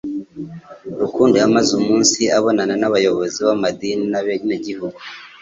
Rukundo yamaze umunsi abonana n'abayobozi b'amadini n'abenegihugu